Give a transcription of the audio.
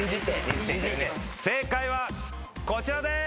正解はこちらです。